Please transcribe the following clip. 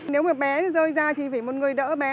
nếu một bé rơi ra thì phải một người đỡ bé